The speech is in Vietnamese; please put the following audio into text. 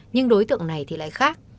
nhưng đối tượng này thì lại khác